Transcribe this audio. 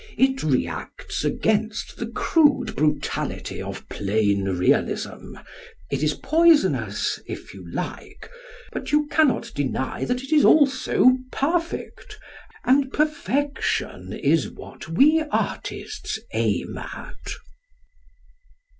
It re acts against the crude brutality of plain realism. It is poisonous, if you like, but you cannot deny that it is also perfect, and perfection is what we artists aim at.